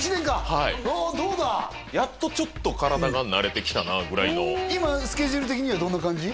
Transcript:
はいやっとちょっと体が慣れてきたなぐらいの今スケジュール的にはどんな感じ？